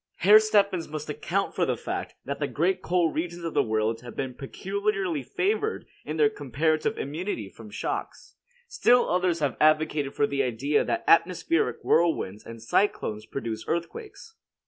Herr Steffens must account for the fact that the great coal regions of the world have been peculiarly favored in their comparative immunity from shocks. Still others have advocated the idea that atmospheric whirlwinds and cyclones produce earthquakes.